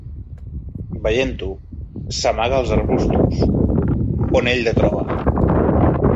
Veient-ho, s'amaga als arbustos, on ell la troba.